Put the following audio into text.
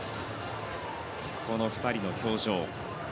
この２人の表情。